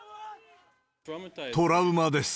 トラウマです。